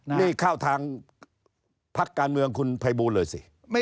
นี่เข้าทางพักการเมืองคุณภัยบูลเลยสิ